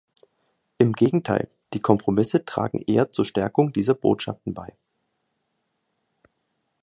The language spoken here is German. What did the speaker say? Im Gegenteil die Kompromisse tragen eher zur Stärkung dieser Botschaften bei.